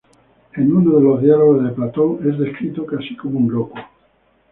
En uno de los diálogos de Platón es descrito casi como un loco.